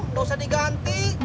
gak usah diganti